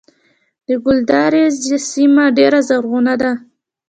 د ګلدرې سیمه ډیره زرغونه ده